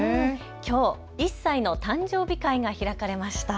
きょうの１歳の誕生日会が開かれました。